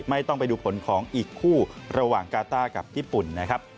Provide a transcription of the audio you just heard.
ไม่ต้องไปดูผลของอีกคู่ระหว่างกาต้ากับญี่ปุ่นนะครับ